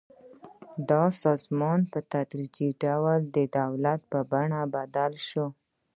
دا سازمان په تدریجي ډول د دولت په بڼه بدل شو.